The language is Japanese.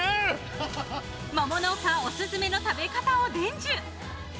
桃農家オススメの食べ方を伝授。